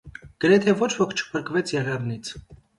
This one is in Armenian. Գրեթե ոչ ոք չփրկվեց եղեռնից։